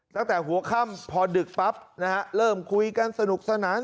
ตั้งแต่หัวค่ำพอดึกปั๊บนะฮะเริ่มคุยกันสนุกสนาน